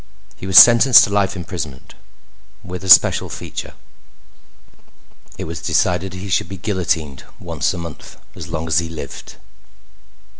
He was sentenced to life imprisonment, with a special feature. It was decided he should be guillotined once a month as long as he lived.